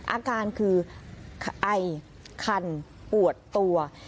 อาการคือไอคันปวดตัว